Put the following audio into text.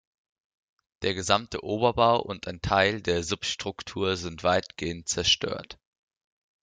Der gesamte Oberbau und ein Teil der Substruktur sind weitgehend zerstört.